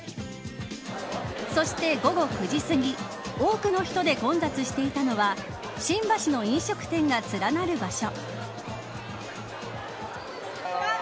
そして、午後９時すぎ多くの人で混雑していたのは新橋の飲食店が連なる場所。